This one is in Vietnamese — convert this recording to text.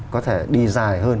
có thể đi dài hơn